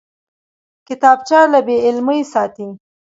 کتابچه له بېعلمۍ ساتي